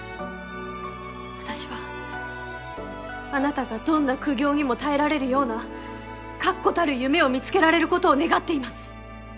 私はあなたがどんな苦行にも耐えられるような確固たる夢を見つけられることを願っています。